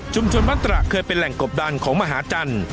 มัตตระเคยเป็นแหล่งกบดันของมหาจันทร์